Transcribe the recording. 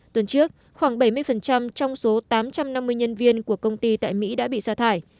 tuần trước khoảng bảy mươi trong số tám trăm năm mươi nhân viên của công ty tại mỹ đã bị xa thải